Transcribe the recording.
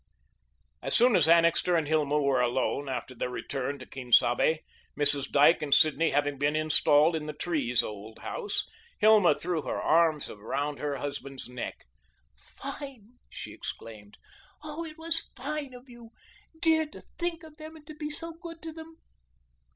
As soon as Annixter and Hilma were alone, after their return to Quien Sabe Mrs. Dyke and Sidney having been installed in the Trees' old house Hilma threw her arms around her husband's neck. "Fine," she exclaimed, "oh, it was fine of you, dear to think of them and to be so good to them.